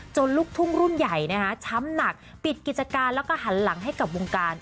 ลูกทุ่งรุ่นใหญ่ช้ำหนักปิดกิจการแล้วก็หันหลังให้กับวงการ